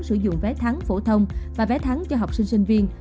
sử dụng vé tháng phổ thông và vé tháng cho học sinh sinh viên